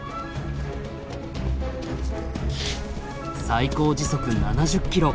最高時速７０キロ。